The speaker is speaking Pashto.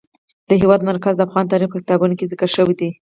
د هېواد مرکز د افغان تاریخ په کتابونو کې ذکر شوی دي.